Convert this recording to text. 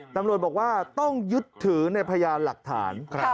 ตำรวจบอกว่าต้องยึดถือในพยานหลักฐาน